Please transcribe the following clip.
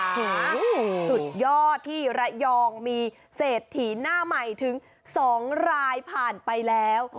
สุดยอดที่ระยองมีเศรษฐีหน้าใหม่ถึง๒รายผ่านไปแล้ว